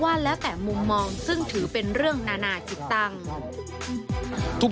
ว่าแล้วแต่มุมมองซึ่งถือเป็นเรื่องนานาจิตตั้ง